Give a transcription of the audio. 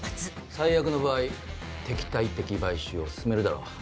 最悪の場合敵対的買収を進めるだろう。